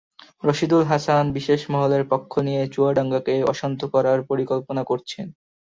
রশীদুল হাসান বিশেষ মহলের পক্ষ নিয়ে চুয়াডাঙ্গাকে অশান্ত করার পরিকল্পনা করছেন।